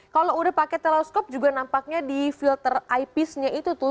kalau sudah pakai teleskop juga nampaknya di filter eyepiece nya itu tuh